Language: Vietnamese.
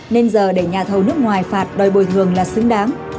nên giờ để nhà thầu nước ngoài phạt đòi bồi thường là xứng đáng